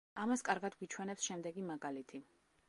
ამას კარგად გვიჩვენებს შემდეგი მაგალითი.